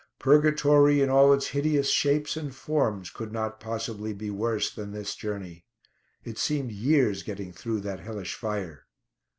Purgatory, in all its hideous shapes and forms, could not possibly be worse than this journey. It seemed years getting through that hellish fire.